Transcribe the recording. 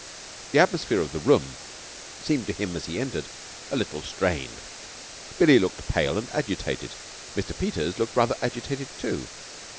The atmosphere of the room seemed to him, as he entered, a little strained. Billie looked pale and agitated. Mr. Peters looked rather agitated too.